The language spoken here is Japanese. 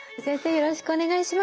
よろしくお願いします。